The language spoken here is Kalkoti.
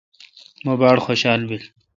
مہ باڑ خوشال بیل۔